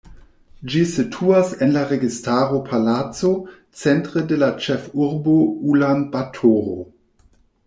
Ĝi situas en la Registaro Palaco centre de la ĉefurbo Ulan-Batoro.